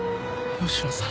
吉野さん！